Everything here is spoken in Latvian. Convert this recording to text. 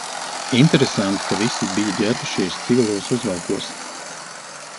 Interesanti, ka visi bija ģērbušies civilos uzvalkos.